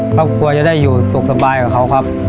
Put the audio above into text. ครอบครัวจะได้อยู่สุขสบายกับเขาครับ